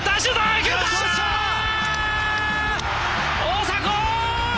大迫！